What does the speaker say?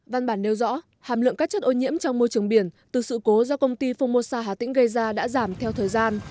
văn bản nêu rõ hàm lượng các chất ô nhiễm trong môi trường biển từ sự cố do công ty fumosa hà tĩnh gây ra đã giảm theo thời gian